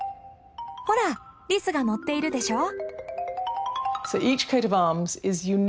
ほらリスがのっているでしょう。